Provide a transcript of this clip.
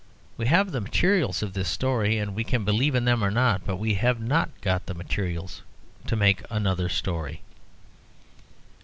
We have the materials of this story, and we can believe them or not. But we have not got the materials to make another story."